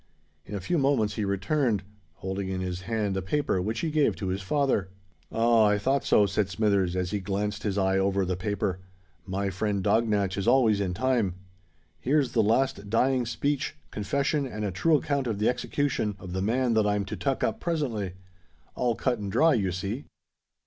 In a few moments he returned, holding in his hand a paper, which he gave to his father. "Ah! I thought so," said Smithers, as he glanced his eye over the paper: "my friend Dognatch is always in time. Here's the last dying speech, confession, and a true account of the execution of the man that I'm to tuck up presently—all cut and dry, you see.